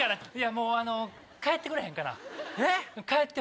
もう帰ってくれへんかな帰って！